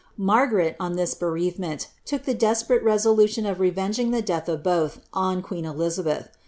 Margaret, on mis bereavement, look the desperate resolution of revenging the deaih of both on queen Elizabeth.